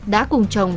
đã cùng chồng